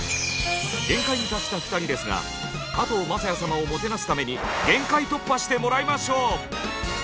限界に達した２人ですが加藤雅也様をもてなすために限界突破してもらいましょう！